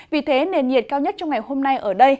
vì thế nền nhiệt cao nhất trong ngày hôm nay ở đây